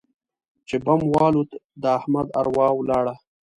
چې بم والوت؛ د احمد اروا ولاړه.